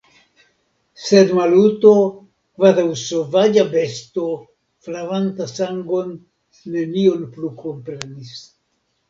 Sed Maluto, kvazaŭ sovaĝa besto, flaranta sangon, nenion plu komprenis.